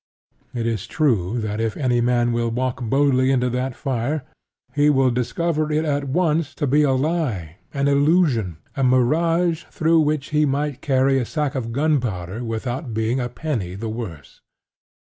It is true that if any man will walk boldly into that fire, he will discover it at once to be a lie, an illusion, a mirage through which he might carry a sack of gunpowder without being a penny the worse.